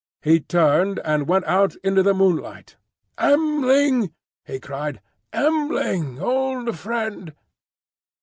He turned and went out into the moonlight. "M'ling!" he cried; "M'ling, old friend!"